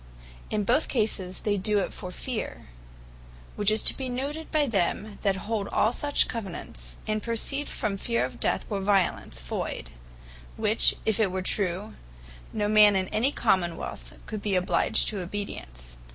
In both cases they do it for fear: which is to be noted by them, that hold all such Covenants, as proceed from fear of death, or violence, voyd: which if it were true, no man, in any kind of Common wealth, could be obliged to Obedience.